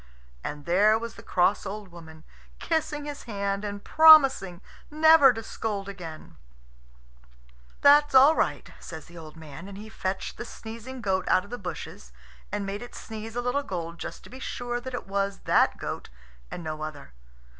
And there was the cross old woman, kissing his hand and promising never to scold any more. "That's all right," says the old man; and he fetched the sneezing goat out of the bushes and made it sneeze a little gold, just to be sure that it was that goat and no other.